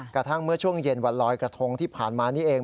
กระทั่งเมื่อช่วงเย็นวันลอยกระทงที่ผ่านมานี่เอง